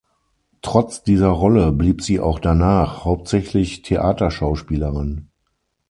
Trotz dieser Rolle blieb sie auch danach hauptsächlich Theaterschauspielerin.